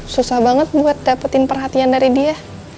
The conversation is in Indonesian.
susah banget buat dapetin perhatian dari dia